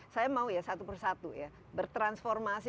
saya mau ya satu persatu ya bertransformasi